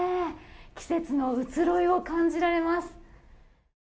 季節の移ろいを感じられます。